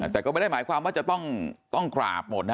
แต่ก็ไม่ได้หมายความว่าจะต้องกราบหมด